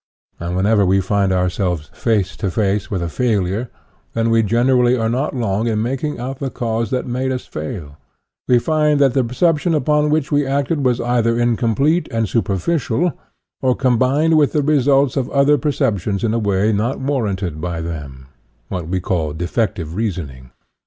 And whenever we find ourselves face to face with a failure, then we generally are not long in mak ing out the cause that made us fail ; we find that the perception upon which we acted was either incomplete and superficial, or combined with the results of other perceptions in a way not war ranted by them what we call defective reason ing.